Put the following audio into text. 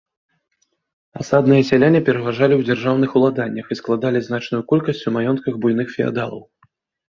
Асадныя сяляне пераважалі ў дзяржаўных уладаннях і складалі значную колькасць у маёнтках буйных феадалаў.